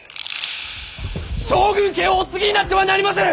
将軍家をお継ぎになってはなりませぬ！